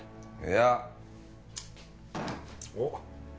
いや。おっ？